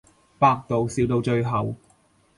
百度笑到最後